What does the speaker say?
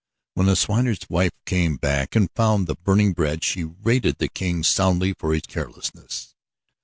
When the swineherd's wife came back and found the burning bread, she rated the king soundly for his carelessness.